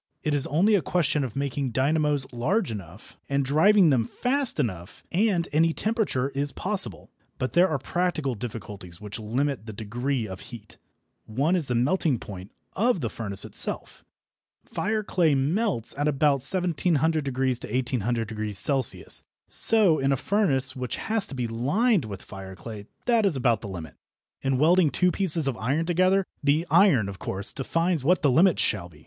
It is only a question of making dynamos large enough, and driving them fast enough, and any temperature is possible. But there are practical difficulties which limit the degree of heat. One is the melting point of the furnace itself. Fire clay melts at about 1700° to 1800° C. So in a furnace which has to be lined with fire clay that is about the limit. In welding two pieces of iron together, the iron, of course, defines what the limit shall be.